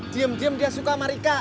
diem diem dia suka sama rika